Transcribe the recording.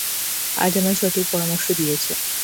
আজ আমায় সঠিক পরামর্শ দিয়েছো।